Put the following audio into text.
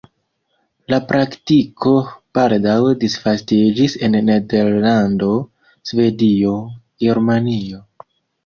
La praktiko baldaŭ disvastiĝis en Nederlando, Svedio, Germanio.